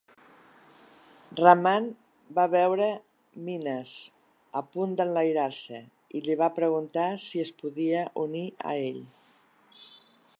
Rahman va veure Minhas a punt d'enlairar-se i li va preguntar si es podia unir a ell.